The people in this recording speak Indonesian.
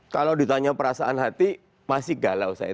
kalau ditanya perasaan hati masih galau saya